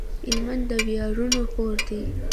هلمند د وياړونو کور دی